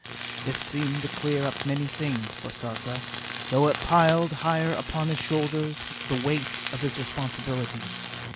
This seemed to clear up many things for Sarka, though it piled higher upon his shoulders the weight of his responsibilities.